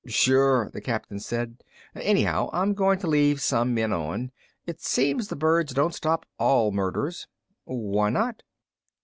"Sure," the captain said. "Anyhow, I'm going to leave some men on. It seems the birds don't stop all murders." "Why not?"